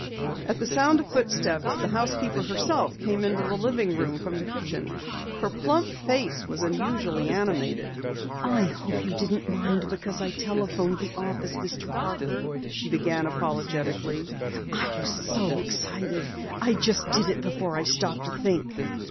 At the sound of footsteps, the housekeeper herself came into the living room from the kitchen. Her plump face was unusually animated. "I hope you didn't mind because I telephoned the office, Mr. Parker," she began apologetically. "I was so excited, I just did it before I stopped to think."